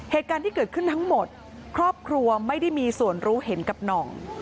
เหตุการณ์ที่เกิดขึ้นทั้งหมดครอบครัวไม่ได้มีส่วนรู้เห็นกับหน่อง